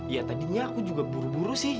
ya tadinya aku juga buru buru sih